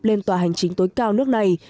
lên tòa hành chính tối cao nước này